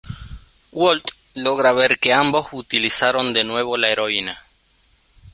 Walt logra ver que ambos utilizaron de nuevo la heroína.